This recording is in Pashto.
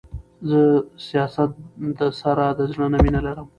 زه سياست د سره د زړه نه مينه لرم.